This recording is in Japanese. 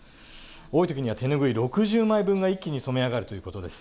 多い時には手拭い６０枚分が一気に染め上がるということです。